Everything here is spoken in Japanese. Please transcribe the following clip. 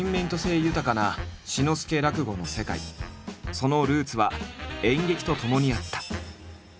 そのルーツは演劇とともにあった。